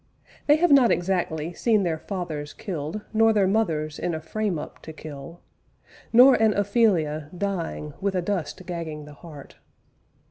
They have not exactly seen their fathers killed Nor their mothers in a frame up to kill, Nor an Ophelia dying with a dust gagging the heart.